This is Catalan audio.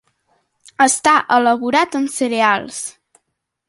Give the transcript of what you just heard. Està elaborat amb cereals.